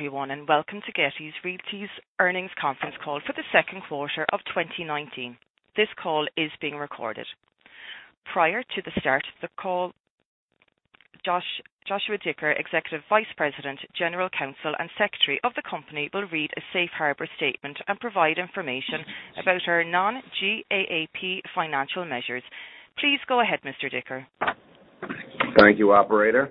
Everyone, welcome to Getty Realty's earnings conference call for the second quarter of 2019. This call is being recorded. Prior to the start of the call, Joshua Dicker, Executive Vice President, General Counsel, and Secretary of the company will read a safe harbor statement and provide information about our non-GAAP financial measures. Please go ahead, Mr. Dicker. Thank you, operator.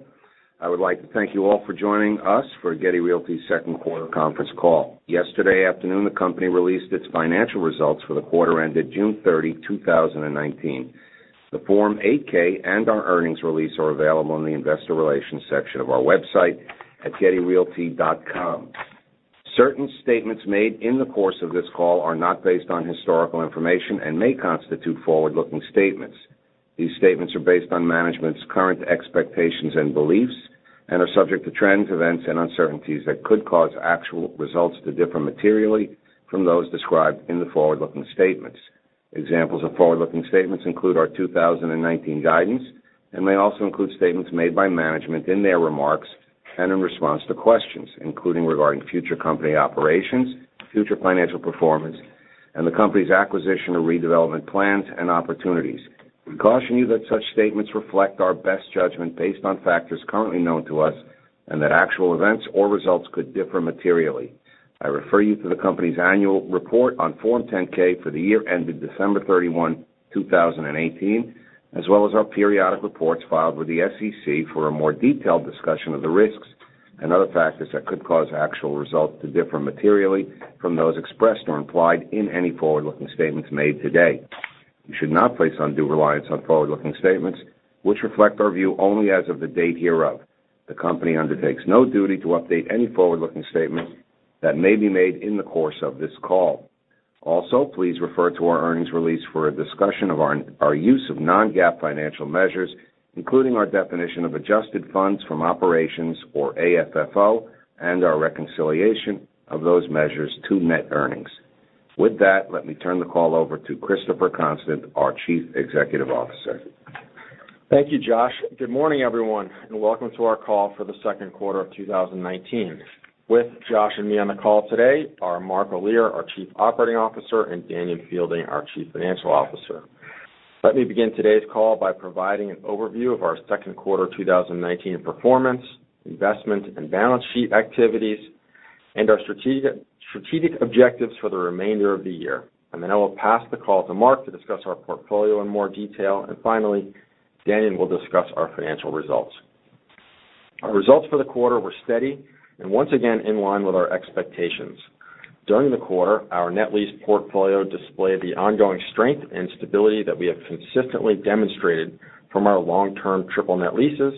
I would like to thank you all for joining us for Getty Realty's second quarter conference call. Yesterday afternoon, the company released its financial results for the quarter ended June 30, 2019. The Form 8-K and our earnings release are available in the investor relations section of our website at gettyrealty.com. Certain statements made in the course of this call are not based on historical information and may constitute forward-looking statements. These statements are based on management's current expectations and beliefs and are subject to trends, events, and uncertainties that could cause actual results to differ materially from those described in the forward-looking statements. Examples of forward-looking statements include our 2019 guidance and may also include statements made by management in their remarks and in response to questions, including regarding future company operations, future financial performance, and the company's acquisition or redevelopment plans and opportunities. We caution you that such statements reflect our best judgment based on factors currently known to us, and that actual events or results could differ materially. I refer you to the company's annual report on Form 10-K for the year ended December 31, 2018, as well as our periodic reports filed with the SEC for a more detailed discussion of the risks and other factors that could cause actual results to differ materially from those expressed or implied in any forward-looking statements made today. You should not place undue reliance on forward-looking statements, which reflect our view only as of the date hereof. The company undertakes no duty to update any forward-looking statements that may be made in the course of this call. Also, please refer to our earnings release for a discussion of our use of non-GAAP financial measures, including our definition of adjusted funds from operations, or AFFO, and our reconciliation of those measures to net earnings. With that, let me turn the call over to Christopher Constant, our Chief Executive Officer. Thank you, Josh. Good morning, everyone, and welcome to our call for the second quarter of 2019. With Josh and me on the call today are Mark Olear, our Chief Operating Officer, and Danion Fielding, our Chief Financial Officer. Let me begin today's call by providing an overview of our second quarter 2019 performance, investment, and balance sheet activities, and our strategic objectives for the remainder of the year. I will pass the call to Mark to discuss our portfolio in more detail. Finally, Danion will discuss our financial results. Our results for the quarter were steady and once again in line with our expectations. During the quarter, our net lease portfolio displayed the ongoing strength and stability that we have consistently demonstrated from our long-term triple net leases,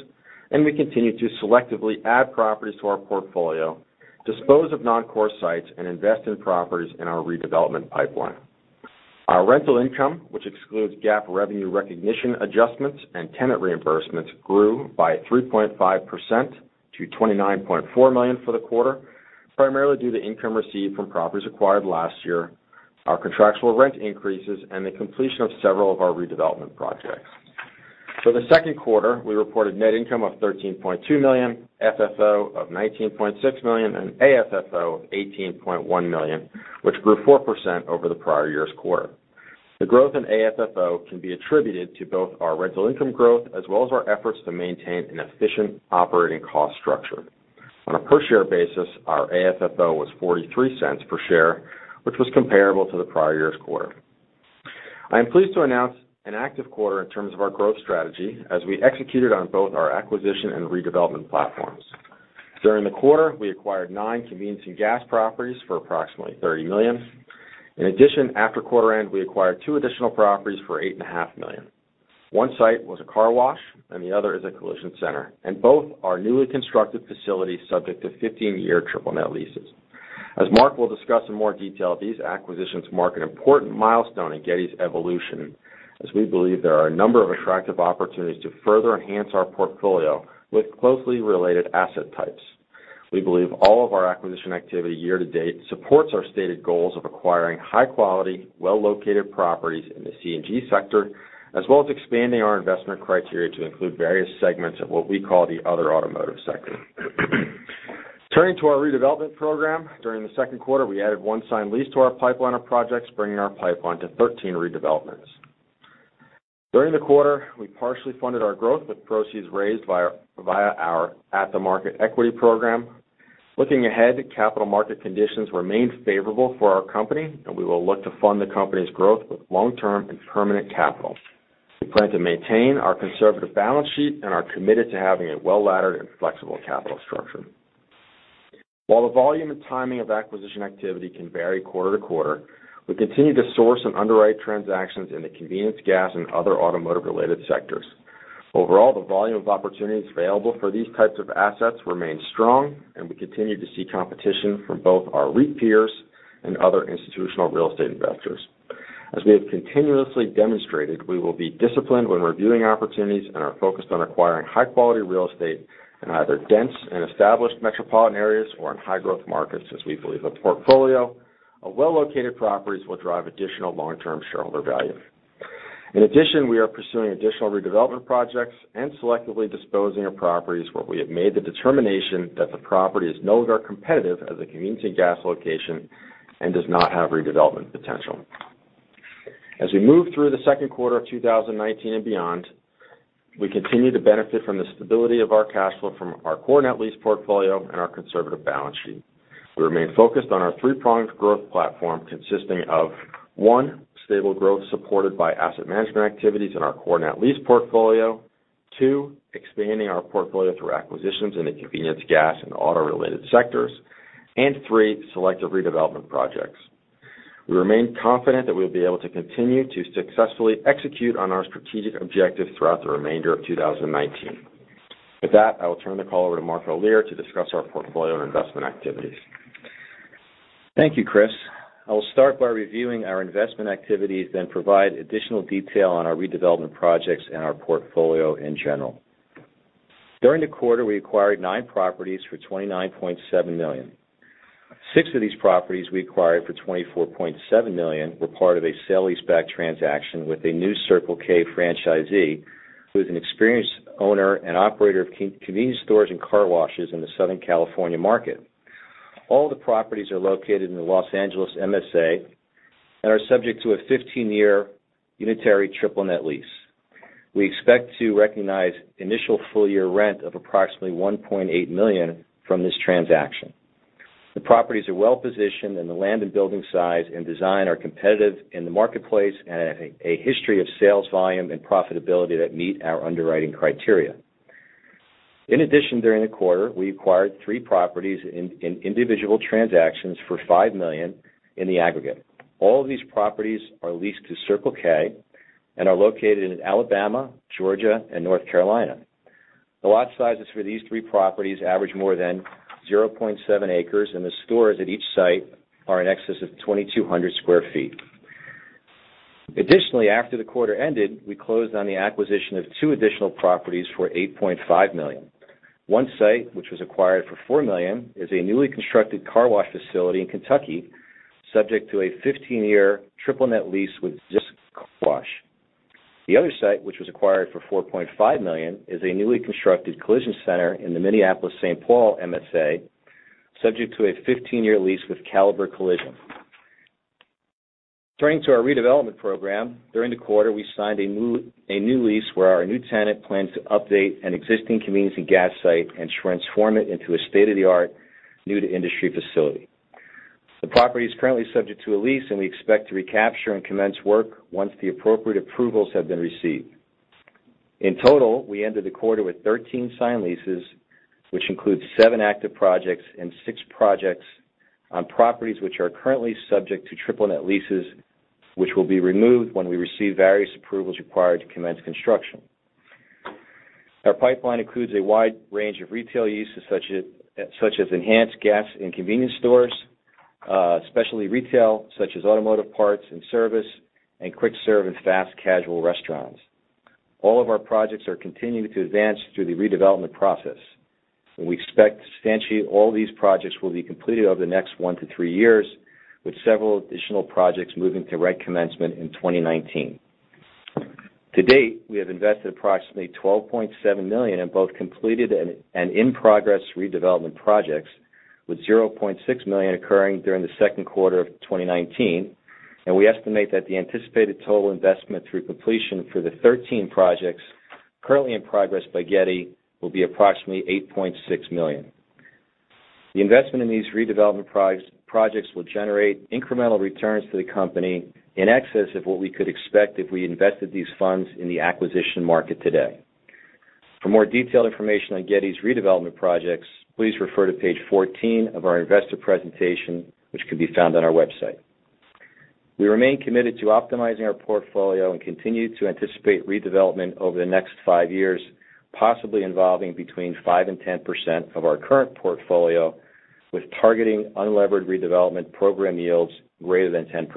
and we continued to selectively add properties to our portfolio, dispose of non-core sites, and invest in properties in our redevelopment pipeline. Our rental income, which excludes GAAP revenue recognition adjustments and tenant reimbursements, grew by 3.5% to $29.4 million for the quarter, primarily due to income received from properties acquired last year, our contractual rent increases, and the completion of several of our redevelopment projects. For the second quarter, we reported net income of $13.2 million, FFO of $19.6 million, and AFFO of $18.1 million, which grew 4% over the prior year's quarter. The growth in AFFO can be attributed to both our rental income growth as well as our efforts to maintain an efficient operating cost structure. On a per-share basis, our AFFO was $0.43 per share, which was comparable to the prior year's quarter. I am pleased to announce an active quarter in terms of our growth strategy as we executed on both our acquisition and redevelopment platforms. During the quarter, we acquired nine convenience and gas properties for approximately $30 million. In addition, after quarter end, we acquired two additional properties for $8.5 million. One site was a car wash and the other is a collision center, and both are newly constructed facilities subject to 15-year triple net leases. As Mark will discuss in more detail, these acquisitions mark an important milestone in Getty's evolution, as we believe there are a number of attractive opportunities to further enhance our portfolio with closely related asset types. We believe all of our acquisition activity year to date supports our stated goals of acquiring high-quality, well-located properties in the C&G sector, as well as expanding our investment criteria to include various segments of what we call the other automotive sector. Turning to our redevelopment program, during the second quarter, we added one signed lease to our pipeline of projects, bringing our pipeline to 13 redevelopments. During the quarter, we partially funded our growth with proceeds raised via our at-the-market equity program. Looking ahead, capital market conditions remain favorable for our company, and we will look to fund the company's growth with long-term and permanent capital. We plan to maintain our conservative balance sheet and are committed to having a well-laddered and flexible capital structure. While the volume and timing of acquisition activity can vary quarter to quarter, we continue to source and underwrite transactions in the convenience gas and other automotive-related sectors. Overall, the volume of opportunities available for these types of assets remains strong, and we continue to see competition from both our REIT peers and other institutional real estate investors. As we have continuously demonstrated, we will be disciplined when reviewing opportunities and are focused on acquiring high-quality real estate in either dense and established metropolitan areas or in high-growth markets, as we believe a portfolio of well-located properties will drive additional long-term shareholder value. In addition, we are pursuing additional redevelopment projects and selectively disposing of properties where we have made the determination that the property is no longer competitive as a convenience and gas location and does not have redevelopment potential. As we move through the second quarter of 2019 and beyond, we continue to benefit from the stability of our cash flow from our core net lease portfolio and our conservative balance sheet. We remain focused on our three-pronged growth platform consisting of, one, stable growth supported by asset management activities in our core net lease portfolio. Two, expanding our portfolio through acquisitions in the convenience gas and auto-related sectors. Three, selective redevelopment projects. We remain confident that we'll be able to continue to successfully execute on our strategic objectives throughout the remainder of 2019. With that, I will turn the call over to Mark Olear to discuss our portfolio and investment activities. Thank you, Chris. I will start by reviewing our investment activities, then provide additional detail on our redevelopment projects and our portfolio in general. During the quarter, we acquired 9 properties for $29.7 million. 6 of these properties we acquired for $24.7 million were part of a sale leaseback transaction with a new Circle K franchisee, who is an experienced owner and operator of convenience stores and car washes in the Southern California market. All the properties are located in the Los Angeles MSA and are subject to a 15-year unitary triple net lease. We expect to recognize initial full-year rent of approximately $1.8 million from this transaction. The properties are well-positioned, the land and building size and design are competitive in the marketplace and have a history of sales volume and profitability that meet our underwriting criteria. In addition, during the quarter, we acquired three properties in individual transactions for $5 million in the aggregate. All of these properties are leased to Circle K and are located in Alabama, Georgia, and North Carolina. The lot sizes for these three properties average more than 0.7 acres, and the stores at each site are in excess of 2,200 square feet. Additionally, after the quarter ended, we closed on the acquisition of two additional properties for $8.5 million. One site, which was acquired for $4 million, is a newly constructed car wash facility in Kentucky, subject to a 15-year triple net lease with ZIPS Car Wash. The other site, which was acquired for $4.5 million, is a newly constructed collision center in the Minneapolis-Saint Paul MSA, subject to a 15-year lease with Caliber Collision. Turning to our redevelopment program. During the quarter, we signed a new lease where our new tenant plans to update an existing convenience and gas site and transform it into a state-of-the-art, new-to-industry facility. The property is currently subject to a lease, and we expect to recapture and commence work once the appropriate approvals have been received. In total, we ended the quarter with 13 signed leases, which includes seven active projects and six projects on properties which are currently subject to triple net leases, which will be removed when we receive various approvals required to commence construction. Our pipeline includes a wide range of retail uses, such as enhanced gas and convenience stores, specialty retail such as automotive parts and service, and quick serve and fast casual restaurants. All of our projects are continuing to advance through the redevelopment process, and we expect to substantiate all these projects will be completed over the next one to three years, with several additional projects moving to rent commencement in 2019. To date, we have invested approximately $12.7 million in both completed and in-progress redevelopment projects, with $0.6 million occurring during the second quarter of 2019. We estimate that the anticipated total investment through completion for the 13 projects currently in progress by Getty will be approximately $8.6 million. The investment in these redevelopment projects will generate incremental returns to the company in excess of what we could expect if we invested these funds in the acquisition market today. For more detailed information on Getty's redevelopment projects, please refer to page 14 of our investor presentation, which can be found on our website. We remain committed to optimizing our portfolio and continue to anticipate redevelopment over the next five years, possibly involving between 5% and 10% of our current portfolio, with targeting unlevered redevelopment program yields greater than 10%.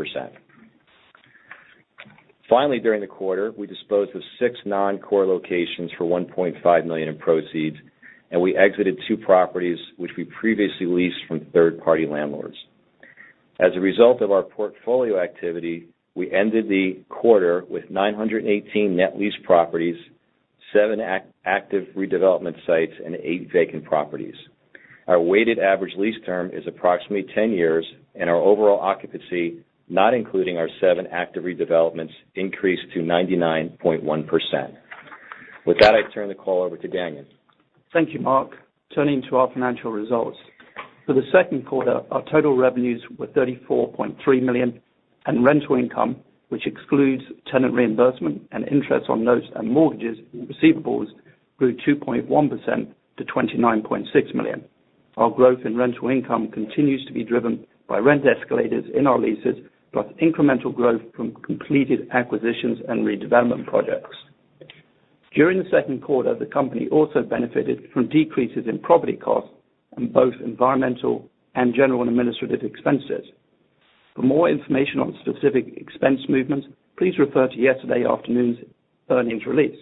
Finally, during the quarter, we disposed of six non-core locations for $1.5 million in proceeds, and we exited two properties which we previously leased from third-party landlords. As a result of our portfolio activity, we ended the quarter with 918 net leased properties, seven active redevelopment sites, and eight vacant properties. Our weighted average lease term is approximately 10 years, and our overall occupancy, not including our seven active redevelopments, increased to 99.1%. With that, I turn the call over to Danion. Thank you, Mark. Turning to our financial results. For the second quarter, our total revenues were $34.3 million, and rental income, which excludes tenant reimbursement and interest on loans and mortgages and receivables, grew 2.1% to $29.6 million. Our growth in rental income continues to be driven by rent escalators in our leases, plus incremental growth from completed acquisitions and redevelopment projects. During the second quarter, the company also benefited from decreases in property costs and both environmental and general and administrative expenses. For more information on specific expense movements, please refer to yesterday afternoon's earnings release.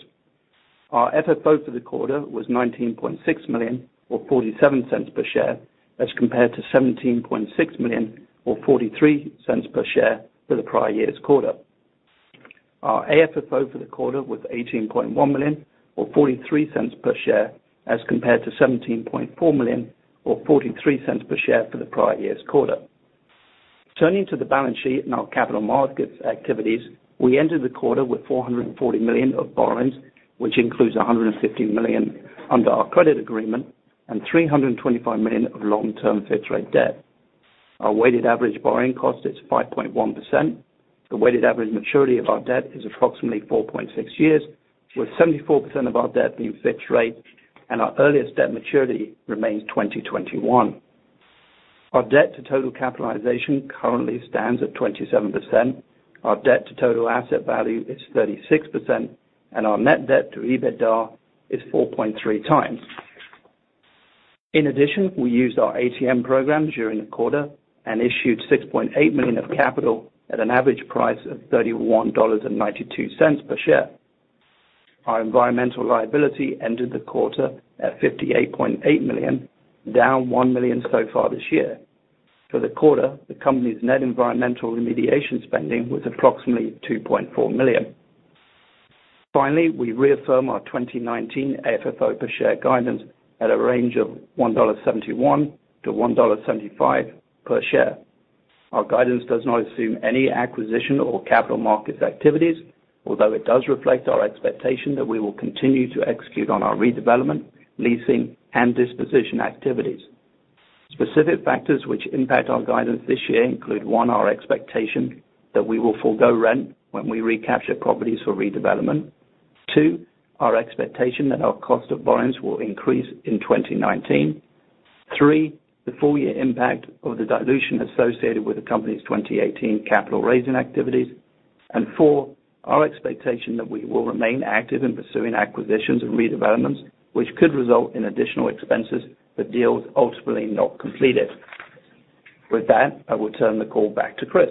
Our FFO for the quarter was $19.6 million, or $0.47 per share, as compared to $17.6 million or $0.43 per share for the prior year's quarter. Our AFFO for the quarter was $18.1 million or $0.43 per share, as compared to $17.4 million or $0.43 per share for the prior year's quarter. Turning to the balance sheet and our capital markets activities, we entered the quarter with $440 million of borrowings, which includes $150 million under our credit agreement and $325 million of long-term fixed rate debt. Our weighted average borrowing cost is 5.1%. The weighted average maturity of our debt is approximately 4.6 years, with 74% of our debt being fixed rate, and our earliest debt maturity remains 2021. Our debt to total capitalization currently stands at 27%. Our debt to total asset value is 36%, and our net debt to EBITDA is 4.3 times. In addition, we used our ATM program during the quarter and issued $6.8 million of capital at an average price of $31.92 per share. Our environmental liability ended the quarter at $58.8 million, down $1 million so far this year. For the quarter, the company's net environmental remediation spending was approximately $2.4 million. Finally, we reaffirm our 2019 AFFO per share guidance at a range of $1.71 to $1.75 per share. Our guidance does not assume any acquisition or capital markets activities, although it does reflect our expectation that we will continue to execute on our redevelopment, leasing, and disposition activities. Specific factors which impact our guidance this year include, one, our expectation that we will forego rent when we recapture properties for redevelopment. Two, our expectation that our cost of borrowings will increase in 2019. Three, the full year impact of the dilution associated with the company's 2018 capital-raising activities. Four, our expectation that we will remain active in pursuing acquisitions and redevelopments, which could result in additional expenses for deals ultimately not completed. With that, I will turn the call back to Chris.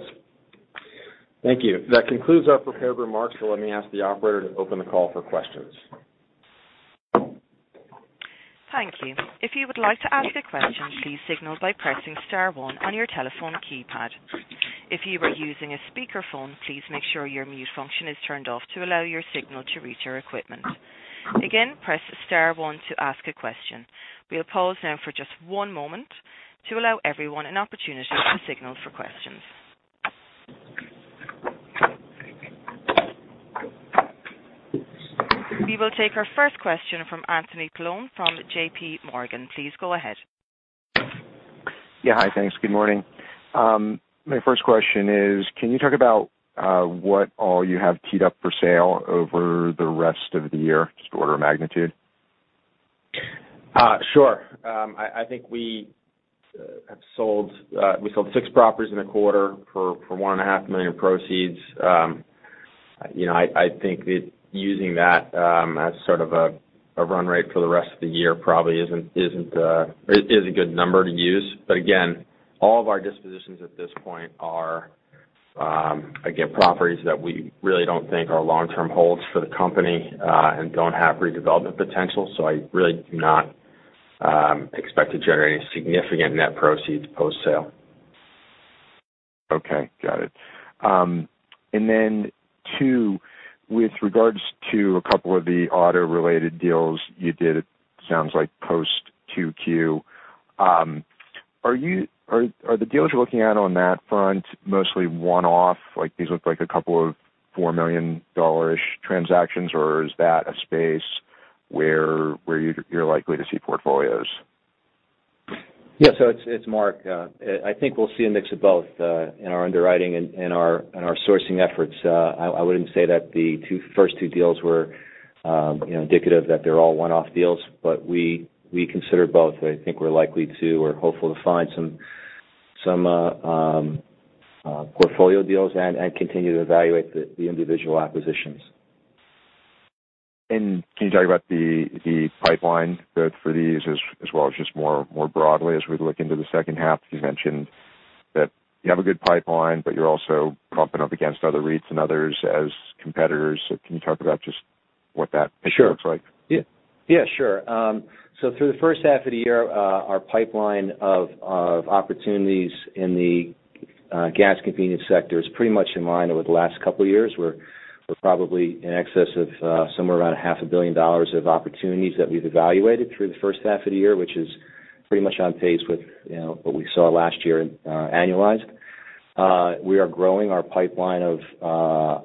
Thank you. That concludes our prepared remarks. Let me ask the operator to open the call for questions. Thank you. If you would like to ask a question, please signal by pressing star one on your telephone keypad. If you are using a speakerphone, please make sure your mute function is turned off to allow your signal to reach our equipment. Again, press star one to ask a question. We'll pause now for just one moment to allow everyone an opportunity to signal for questions. We will take our first question from Anthony Paolone from JP Morgan. Please go ahead. Yeah. Hi. Thanks. Good morning. My first question is, can you talk about what all you have teed up for sale over the rest of the year, just order of magnitude? Sure. I think we sold six properties in a quarter for one and a half million proceeds. I think that using that as sort of a run rate for the rest of the year probably is a good number to use. Again, all of our dispositions at this point are, again, properties that we really don't think are long-term holds for the company and don't have redevelopment potential. I really do not expect to generate any significant net proceeds post-sale. Okay. Got it. Two, with regards to a couple of the auto-related deals you did, it sounds like post 2Q. Are the deals you're looking at on that front mostly one-off, like these look like a couple of $4 million-ish transactions, or is that a space where you're likely to see portfolios? It's Mark. I think we'll see a mix of both in our underwriting and our sourcing efforts. I wouldn't say that the first two deals were indicative that they're all one-off deals. We consider both. I think we're likely to or hopeful to find some portfolio deals and continue to evaluate the individual acquisitions. Can you talk about the pipeline growth for these as well as just more broadly as we look into the second half? You mentioned that you have a good pipeline, but you're also bumping up against other REITs and others as competitors. Can you talk about just what that picture looks like? Yeah. Sure. Through the first half of the year, our pipeline of opportunities in the gas convenience sector is pretty much in line over the last couple of years. We're probably in excess of somewhere around a half a billion dollars of opportunities that we've evaluated through the first half of the year, which is pretty much on pace with what we saw last year annualized. We are growing our pipeline of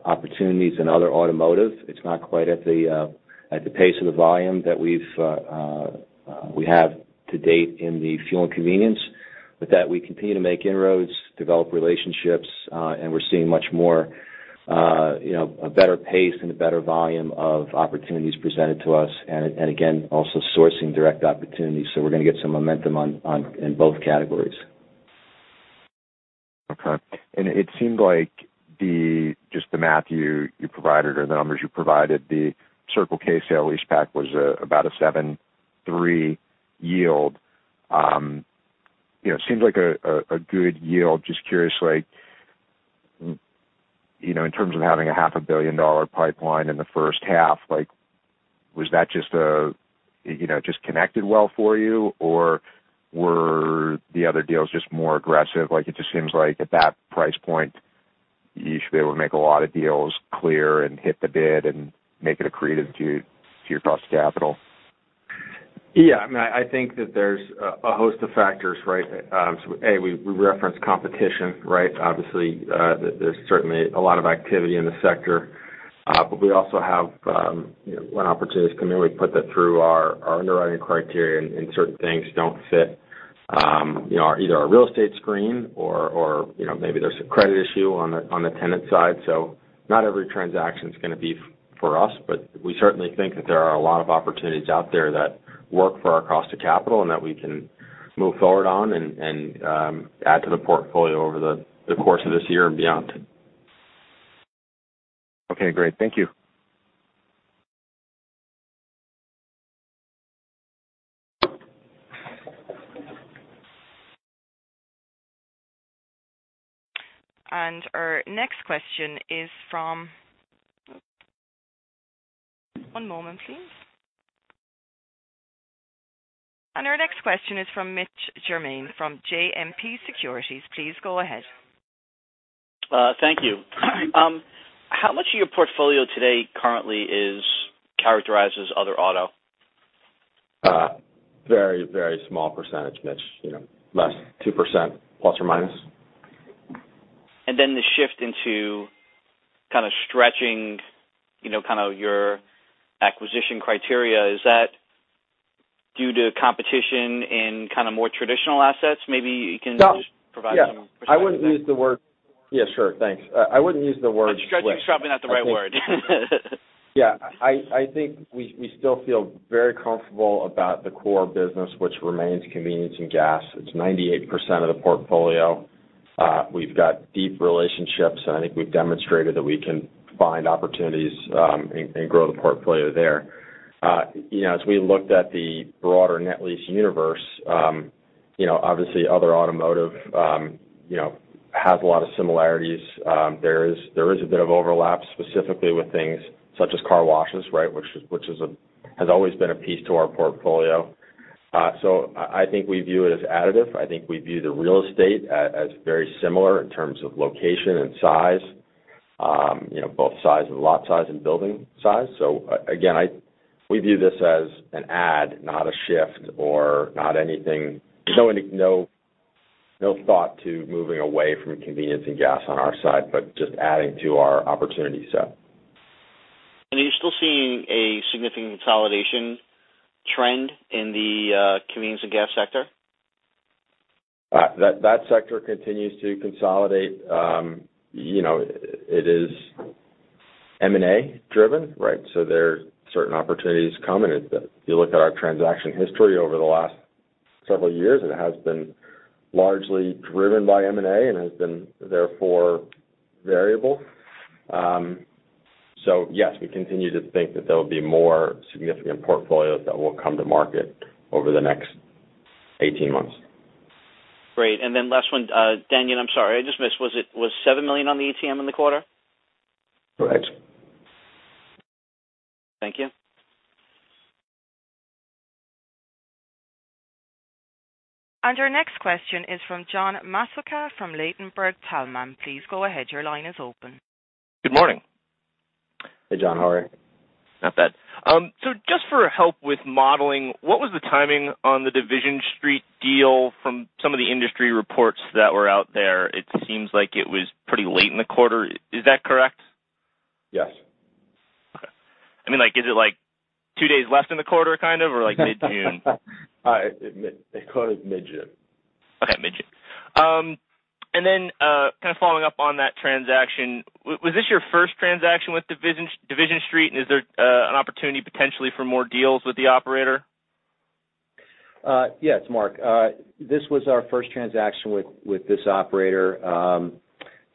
opportunities in other automotive. It's not quite at the pace or the volume that we have to date in the fuel and convenience. With that, we continue to make inroads, develop relationships, and we're seeing a better pace and a better volume of opportunities presented to us, and again, also sourcing direct opportunities. We're going to get some momentum in both categories. Okay. It seemed like just the math you provided or the numbers you provided, the Circle K sale leaseback was about a 7.3 yield. It seems like a good yield. Just curious, in terms of having a half a billion-dollar pipeline in the first half, was that just connected well for you, or were the other deals just more aggressive? It just seems like at that price point, you should be able to make a lot of deals clear and hit the bid and make it accretive to your cost of capital. Yeah, I think that there's a host of factors. A, we referenced competition. Obviously, there's certainly a lot of activity in the sector. We also have, when opportunities come in, we put that through our underwriting criteria, and certain things don't fit either our real estate screen or maybe there's a credit issue on the tenant side. Not every transaction's going to be for us, but we certainly think that there are a lot of opportunities out there that work for our cost of capital and that we can move forward on and add to the portfolio over the course of this year and beyond. Okay, great. Thank you. One moment, please. Our next question is from Mitch Germain from JMP Securities. Please go ahead. Thank you. How much of your portfolio today currently is characterized as other auto? Very small percentage, Mitch. Less than 2% ±. The shift into kind of stretching your acquisition criteria, is that due to competition in more traditional assets? Maybe you can just provide some perspective there. Yeah. Yeah, sure. Thanks. I wouldn't use the word shift. I'm sure stretching's probably not the right word. I think we still feel very comfortable about the core business, which remains convenience and gas. It's 98% of the portfolio. We've got deep relationships, and I think we've demonstrated that we can find opportunities and grow the portfolio there. As we looked at the broader net lease universe, obviously other automotive has a lot of similarities. There is a bit of overlap, specifically with things such as car washes, which has always been a piece to our portfolio. I think we view it as additive. I think we view the real estate as very similar in terms of location and size, both size and lot size and building size. Again, we view this as an add, not a shift or not anything. No thought to moving away from convenience and gas on our side, but just adding to our opportunity set. Are you still seeing a significant consolidation trend in the convenience and gas sector? That sector continues to consolidate. It is M&A driven. There's certain opportunities come, and if you look at our transaction history over the last several years, it has been largely driven by M&A and has been, therefore, variable. Yes, we continue to think that there will be more significant portfolios that will come to market over the next 18 months. Great. Last one. Danion, I'm sorry. I just missed, was it $7 million on the ATM in the quarter? Correct. Thank you. Our next question is from John Massocca from Ladenburg Thalmann. Please go ahead. Your line is open. Good morning. Hey, John. How are you? Not bad. Just for help with modeling, what was the timing on the Division Street deal? From some of the industry reports that were out there, it seems like it was pretty late in the quarter. Is that correct? Yes. Okay. Is it two days left in the quarter kind of, or mid-June? They call it mid-June. Okay. Mid-June. Kind of following up on that transaction, was this your first transaction with Division Street, and is there an opportunity potentially for more deals with the operator? Yeah. It's Mark. This was our first transaction with this operator.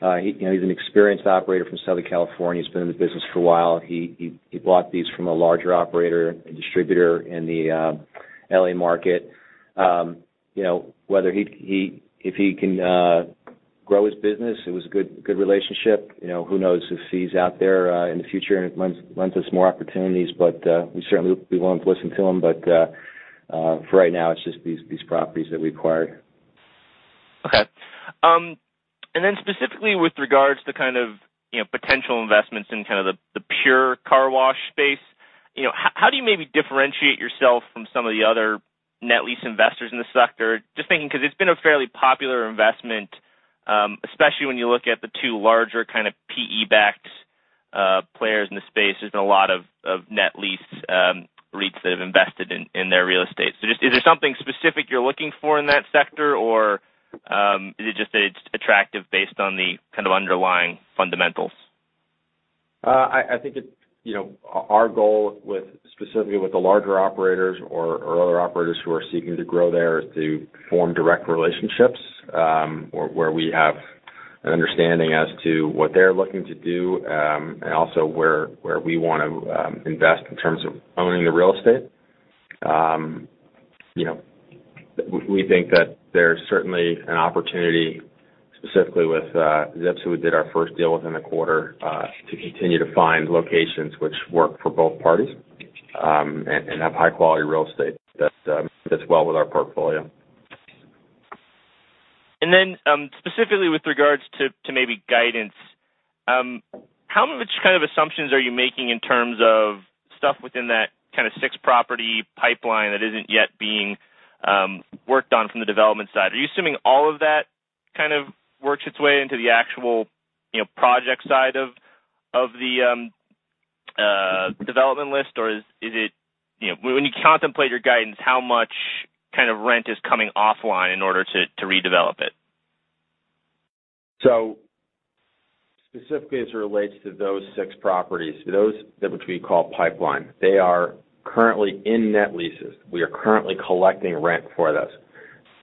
He's an experienced operator from Southern California. He's been in the business for a while. He bought these from a larger operator and distributor in the L.A. market. If he can grow his business, it was a good relationship. Who knows if he's out there in the future and it lends us more opportunities. We certainly will be willing to listen to him. For right now, it's just these properties that we acquired. Okay. Specifically with regards to kind of potential investments in kind of the pure car wash space, how do you maybe differentiate yourself from some of the other net lease investors in the sector? Just thinking, because it's been a fairly popular investment, especially when you look at the two larger kind of PE-backed players in the space. There's been a lot of net lease REITs that have invested in their real estate. Is there something specific you're looking for in that sector, or is it just that it's attractive based on the kind of underlying fundamentals? I think our goal specifically with the larger operators or other operators who are seeking to grow there is to form direct relationships, where we have an understanding as to what they're looking to do, and also where we want to invest in terms of owning the real estate. We think that there's certainly an opportunity specifically with ZIPS who we did our first deal with in the quarter, to continue to find locations which work for both parties, and have high-quality real estate that fits well with our portfolio. Specifically with regards to maybe guidance, how much kind of assumptions are you making in terms of stuff within that kind of six-property pipeline that isn't yet being worked on from the development side? Are you assuming all of that kind of works its way into the actual project side of the development list, or is it when you contemplate your guidance, how much kind of rent is coming offline in order to redevelop it? Specifically as it relates to those six properties, those that which we call pipeline, they are currently in net leases. We are currently collecting rent for those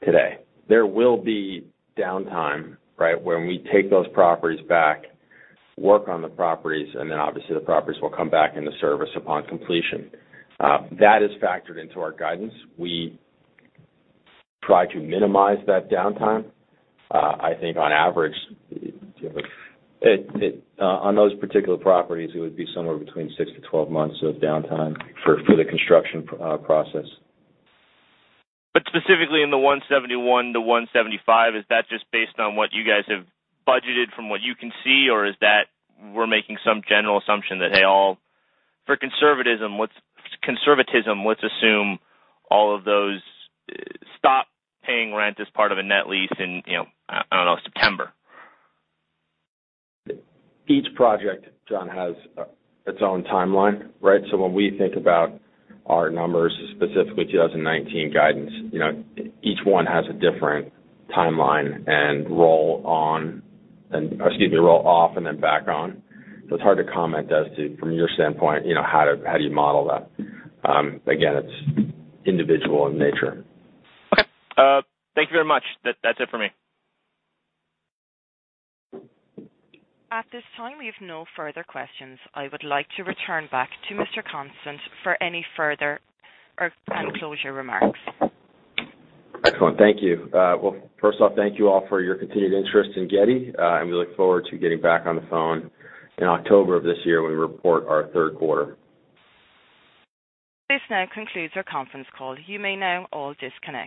today. There will be downtime, right, when we take those properties back, work on the properties, obviously the properties will come back into service upon completion. That is factored into our guidance. We try to minimize that downtime. I think on average, on those particular properties, it would be somewhere between six to 12 months of downtime for the construction process. Specifically in the 171-175, is that just based on what you guys have budgeted from what you can see? Or is that we're making some general assumption that, hey, all For conservatism, let's assume all of those stop paying rent as part of a net lease in, I don't know, September. Each project, John, has its own timeline, right? When we think about our numbers, specifically 2019 guidance, each one has a different timeline and roll on, roll off then back on. It's hard to comment as to, from your standpoint, how do you model that. Again, it's individual in nature. Okay. Thank you very much. That's it for me. At this time, we have no further questions. I would like to return back to Mr. Constant for any further or closure remarks. Excellent. Thank you. Well, first off, thank you all for your continued interest in Getty, and we look forward to getting back on the phone in October of this year when we report our third quarter. This now concludes our conference call. You may now all disconnect.